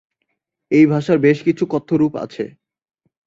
এই ভাষার বেশ কিছু কথ্য রূপ আছে।